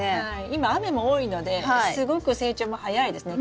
今雨も多いのですごく成長も早いですね。